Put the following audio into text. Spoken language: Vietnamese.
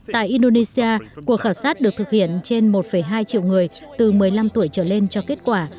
tại indonesia cuộc khảo sát được thực hiện trên một hai triệu người từ một mươi năm tuổi trở lên cho kết quả